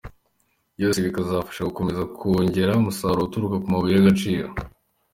Byose bikazafasha gukomeza kongera umusaruro uturuka ku mabauye y’agaciro.